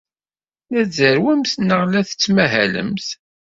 La tzerrwemt neɣ la tettmahalemt?